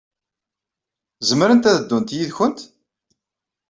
Zemrent ad ddunt yid-went?